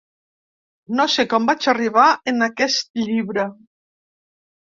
No sé com vaig arribar en aquest llibre.